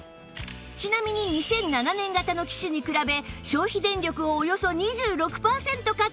ちなみに２００７年型の機種に比べ消費電力をおよそ２６パーセントカットできるんです